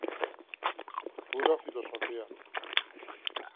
Pura filosofía.